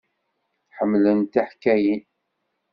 Ḥemmlent tiḥkayin.